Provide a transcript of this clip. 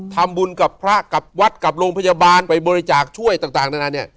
ทำบุญกับพระกับวัดกับโรงพยาบาลไปบริจาคช่วยต่างนานาเนี่ย